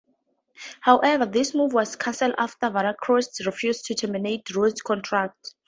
However, this move was cancelled after Veracruz refused to terminate Ruiz's contract.